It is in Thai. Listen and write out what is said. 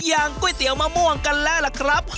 อย่างก๋วยเตี๋ยวมะม่วงกันแล้วล่ะครับ